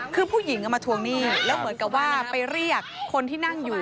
คือผู้หญิงเอามาทวงหนี้แล้วเหมือนกับว่าไปเรียกคนที่นั่งอยู่